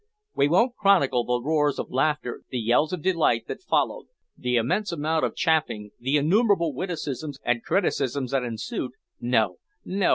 We won't chronicle the roars of laughter, the yells of delight that followed, the immense amount of chaffing, the innumerable witticisms and criticisms that ensued no, no!